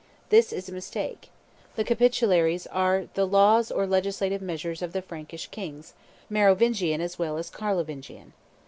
This is a mistake. The Capitularies are the laws or legislative measures of the Frankish kings, Merovingian as well as Carlovingian.